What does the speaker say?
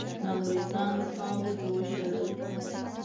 د انګریزانو خاورې ته وشړل.